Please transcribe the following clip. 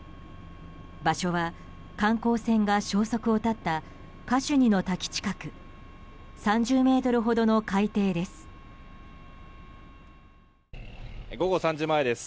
場所は、観光船が消息を絶ったカシュニの滝近く３０ｍほどの海底です。